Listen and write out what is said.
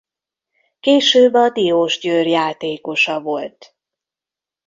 Később a Diósgyőr játékosa volt.